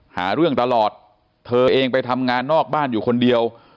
หาเรื่องตลอดเธอเองไปทำงานนอกบ้านอยู่คนเดียว